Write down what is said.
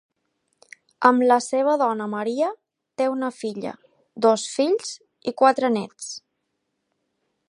Amb la seva dona Maria, té una filla, dos fills i quatre nets.